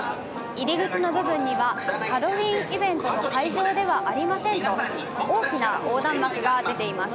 入り口の部分にはハロウィーンイベントの会場ではありませんと大きな横断幕が出ています。